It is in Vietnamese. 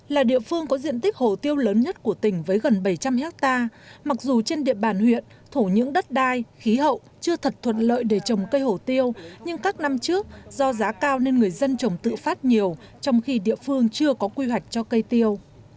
là địa phương có diện tích hồ tiêu lớn nhất của tỉnh với gần bảy trăm linh hectare mặc dù trên địa bàn huyện thổ những đất đai khí hậu chưa thật thuận lợi để trồng cây hổ tiêu nhưng các năm trước do giá cao nên người dân trồng tự phát nhiều trong khi địa phương chưa có quy hoạch cho cây tiêu